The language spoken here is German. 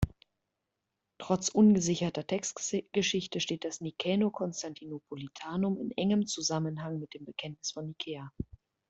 Trotz ungesicherter Textgeschichte steht das Nicäno-Konstantinopolitanum in engem Zusammenhang mit dem Bekenntnis von Nicäa.